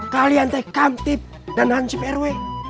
kalian tekam tip dan hansip rw